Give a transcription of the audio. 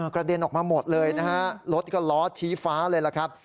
เด็นออกมาหมดเลยนะฮะรถก็ล้อชี้ฟ้าเลยล่ะครับ